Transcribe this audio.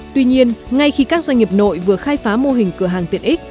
tuy nhiên ngay khi các doanh nghiệp nội vừa khai phá mô hình cửa hàng tiện ích